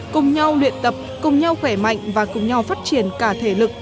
cùng nhau luyện tập cùng nhau khỏe mạnh và cùng nhau phát triển cả thể lực